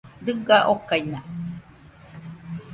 Dɨga okaina.